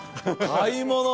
「買い物編」。